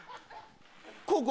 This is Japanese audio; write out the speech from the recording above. ここ。